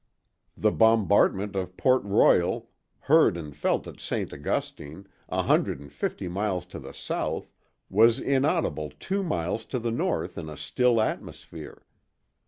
The bombardment of Port Royal, heard and felt at St. Augustine, a hundred and fifty miles to the south, was inaudible two miles to the north in a still atmosphere.